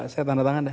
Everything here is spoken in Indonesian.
saya tanda tangan